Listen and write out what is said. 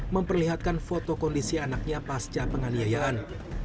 memperlihatkan foto kondisi anaknya pasca penganiayaan